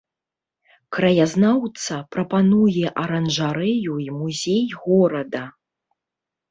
Краязнаўца прапануе аранжарэю і музей горада.